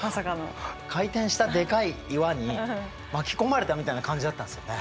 回転したデカい岩に巻き込まれたみたいな感じだったんですよね。